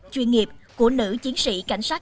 chuyên nghiệp của nữ chiến sĩ cảnh sát